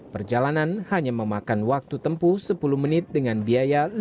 perjalanan hanya memakan waktu tempuh sepuluh menit dengan biaya rp lima puluh